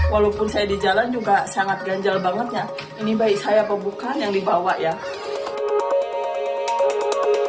walaupun saya di jalan juga sangat ganjal banget ya ini baik saya pembukaan yang dibawa ya